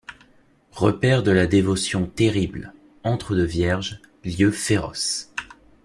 Repaires de la dévotion terrible ; antres de vierges ; lieux féroces.